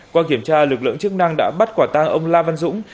qua kiểm tra lực lượng chức năng đã bắt quả tang ông la văn dũng